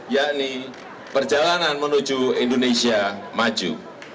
yakni perjalanan menuju indonesia maju